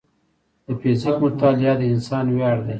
د فزیک مطالعه د انسان ویاړ دی.